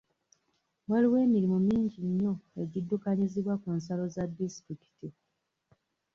Waliwo emirimu mingi egiddukanyizibwa ku nsalo za disitulikiti.